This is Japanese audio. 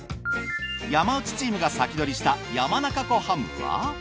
山内チームが先取りした山中湖ハムは。